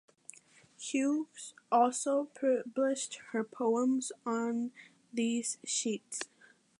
Hughes also published her poems on these sheets.